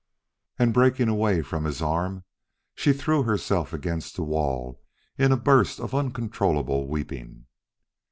And breaking away from his arm, she threw herself against the wall in a burst of uncontrollable weeping.